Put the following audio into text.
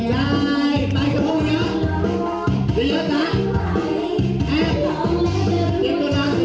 ลองแล้วจะรู้ว่าฉันอันรอดไป